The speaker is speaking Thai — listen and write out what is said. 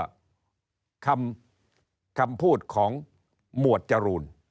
ก็คือคำพูดของหมวดจรูน